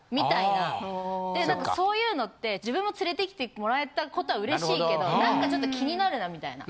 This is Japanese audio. なんかそういうのって自分も連れてきてもらえたことは嬉しいけど何かちょっと気になるなみたいな。